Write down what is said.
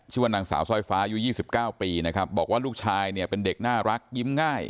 ชื่อว่านางสาวสร้อยฟ้าอายุ๒๙ปีนะครับบอกว่าลูกชายเนี่ยเป็นเด็กน่ารักยิ้มง่าย